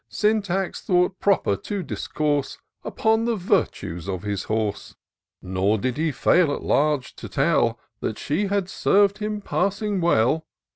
Syntax thought proper to discourse Upon the virtues of his horse ; Nor did he fail at large to tell That she had serv'd him passing well.